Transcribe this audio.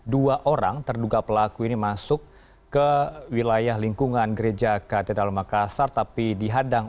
dua orang terduga pelaku ini masuk ke wilayah lingkungan gereja katedral makassar tapi dihadang